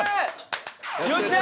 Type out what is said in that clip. よっしゃ。